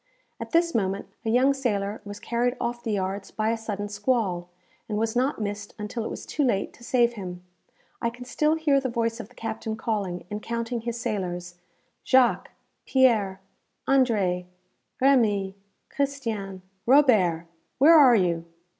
At this moment a young sailor was carried off the yards by a sudden squall, and was not missed until it was too late to save him. I can still hear the voice of the captain calling, and counting his sailors "Jacques, Pierre, André, Remy, Christian, Robert, where are you?"